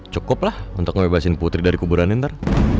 cukup lah untuk ngebebasin putri dari kuburan ini ntar